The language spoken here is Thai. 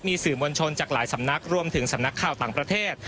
มีสื่อมวลชนจากหลายสำนักรวมถึงสำนักข่าวต่างประเทศ